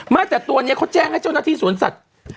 ไม่แต่ตัวนี้เขาแจ้งให้เจ้าหน้าที่สวนสัตว์